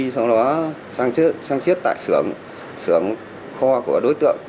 sau đó sáng chết tại xưởng kho của đối tượng